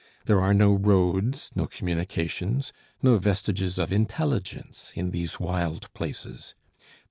There are no roads, no communications, no vestiges of intelligence in these wild places.